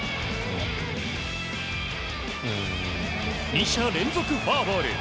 ２者連続フォアボール。